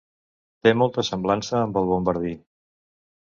Té molta semblança amb el bombardí.